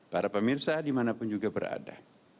para pemirsa dimanapun juga berada